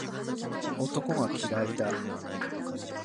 男が嫌いだ